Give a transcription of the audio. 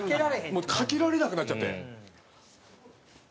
もうかけられなくなっちゃって。